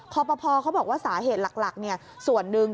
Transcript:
ปภเขาบอกว่าสาเหตุหลักส่วนหนึ่ง